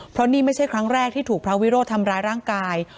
เพราะนี่ไม่ใช่ครั้งแรกที่ถูกพระวิโรธทำร้ายร่างกาย